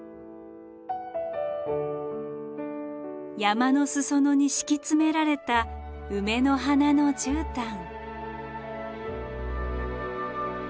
山の裾野に敷き詰められた梅の花のじゅうたん。